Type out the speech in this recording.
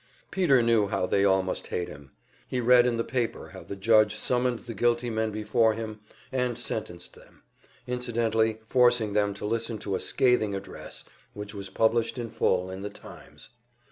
Peter knew how they all must hate him; he read in the paper how the judge summoned the guilty men before him and sentenced them, incidentally forcing them to listen to a scathing address, which was published in full in the "Times."